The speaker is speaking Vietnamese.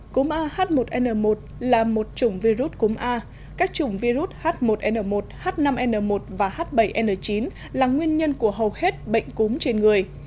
cúm ah một n một là một chủng virus cúm a các chủng virus h một n một h năm n một và h bảy n chín là nguyên nhân của hầu hết bệnh cúm trên người